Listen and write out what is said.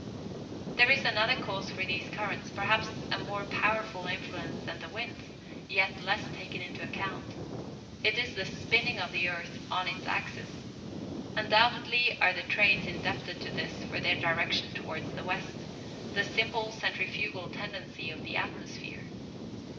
There is another cause for these currents, perhaps of more powerful influence than the winds, yet less taken into account. It is the spinning of the earth on its axis. Undoubtedly are the "trades" indebted to this for their direction towards the west, the simple centrifugal tendency of the atmosphere.